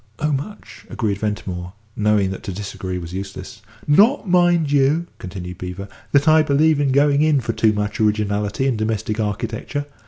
"Oh, much," agreed Ventimore, knowing that to disagree was useless. "Not, mind you," continued Beevor, "that I believe in going in for too much originality in domestic architecture.